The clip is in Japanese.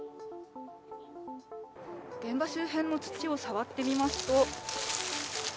現場周辺の土を触ってみますと。